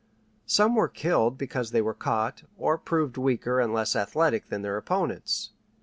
Some were killed because they were caught, or proved weaker and less athletic than their opponents.